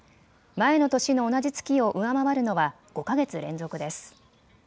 前の年の同じ月を上回るのは５か月連続です。